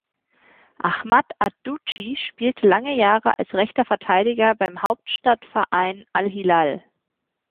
Ahmad ad-Duchi spielte lange Jahre als rechter Verteidiger beim Hauptstadtverein al-Hilal.